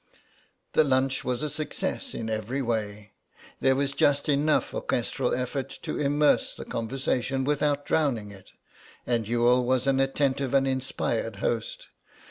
The lunch was a success in every way. There was just enough orchestral effort to immerse the conversation without drowning it, and Youghal was an attentive and inspired host.